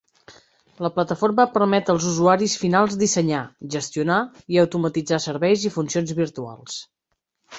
La plataforma permet als usuaris finals dissenyar, gestionar i automatitzar serveis i funcions virtuals.